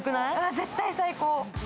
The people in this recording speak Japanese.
絶対最高。